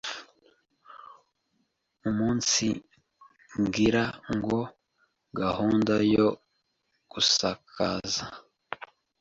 umunsigira ngo gahunda yo gusakaza